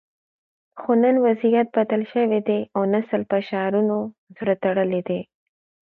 خو نن وضعیت بدل شوی دی او نسل په شعارونو زړه تړلی دی